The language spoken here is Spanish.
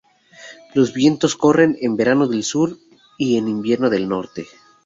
Los vientos corren en verano del sur y en invierno del norte.